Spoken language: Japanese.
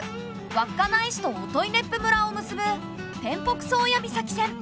稚内市と音威子府村を結ぶ天北宗谷岬線。